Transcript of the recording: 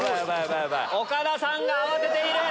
岡田さんが慌てている！